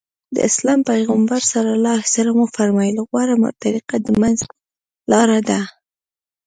د اسلام پيغمبر ص وفرمايل غوره طريقه د منځ لاره ده.